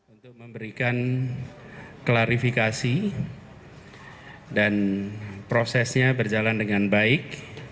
untuk memberikan klarifikasi dan prosesnya berjalan dengan baik